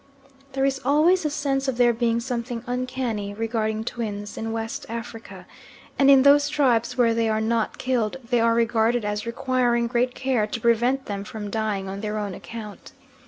There is always a sense of there being something uncanny regarding twins in West Africa, and in those tribes where they are not killed they are regarded as requiring great care to prevent them from dying on their own account.